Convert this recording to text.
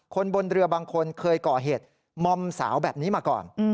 คนบนเรือบางคนเคยก่อเหตุมอมสาวแบบนี้มาก่อน